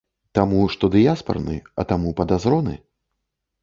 Таму, што дыяспарны, а таму падазроны?